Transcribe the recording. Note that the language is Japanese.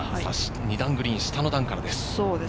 ２段グリーン、下の段からです。